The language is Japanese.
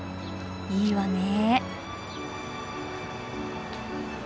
いいわね。